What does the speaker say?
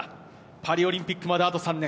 パリオリンピックまであと３年。